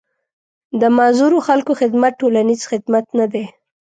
د معذورو خلکو خدمت ټولنيز خدمت نه دی.